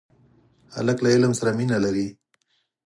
هلک له علم سره مینه لري.